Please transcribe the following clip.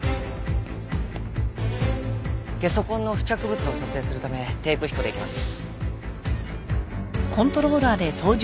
ゲソ痕の付着物を撮影するため低空飛行で行きます。